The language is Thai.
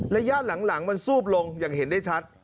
ระยะหลังมันซูบลงอย่างเห็นได้ชัด